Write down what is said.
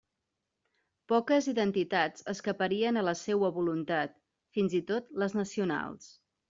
Poques identitats escaparien a la seua voluntat, fins i tot les nacionals.